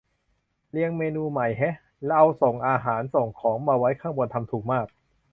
เรียงเมนูใหม่แฮะ เอาส่งอาหารส่งของมาไว้ข้างบน ทำถูกมาก